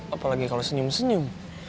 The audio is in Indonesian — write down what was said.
apalagi kalau senyum senyum